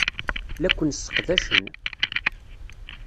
La ken-sseqdacen.